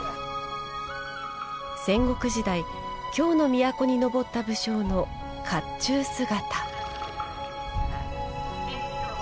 戦国時代、京の都にのぼった武将のかっちゅう姿。